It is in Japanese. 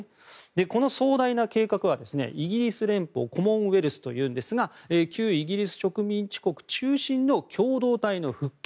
この壮大な計画はイギリス連邦コモンウェルスというんですが旧イギリス植民地国中心の共同体の復権。